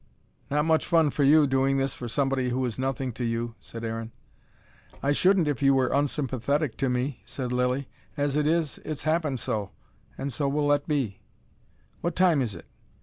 "Not much fun for you, doing this for somebody who is nothing to you," said Aaron. "I shouldn't if you were unsympathetic to me," said Lilly. "As it is, it's happened so, and so we'll let be." "What time is it?"